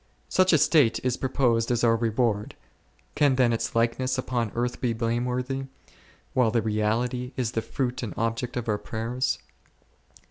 Such a state is proposed as our reward ; can then its likeness upon earth be blameworthy, while the reality is the fruit and object of our prayers